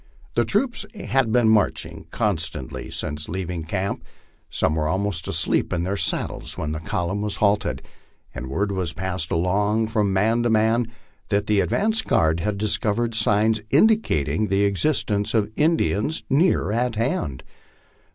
The troops had been marching constantly since leaving camp; some were almost asleep in their saddles when the column was halted, and word was passed along from man to man that the advance guard had discovered signs indicat ing the existence of Indians near at hand.